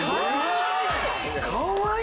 かわいい！